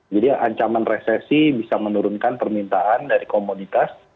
jadi ancaman resesi bisa menurunkan permintaan dari komoditas